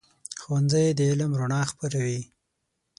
ښوونځی د علم رڼا خپروي.